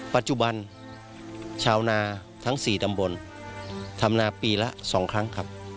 ปัจจุบันชาวนาทั้ง๔ตำบลทำนาปีละ๒ครั้งครับ